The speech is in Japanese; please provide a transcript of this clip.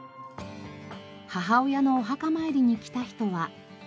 母親のお墓参りに来た人は。